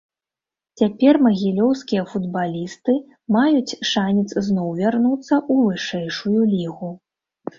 Цяпер магілёўскія футбалісты маюць шанец зноў вярнуцца ў вышэйшую лігу.